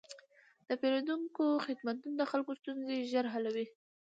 د پېرودونکو خدمتونه د خلکو ستونزې ژر حلوي.